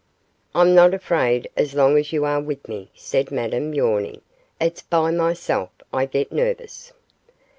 'I'm not afraid as long as you are with me,' said Madame, yawning; 'it's by myself I get nervous.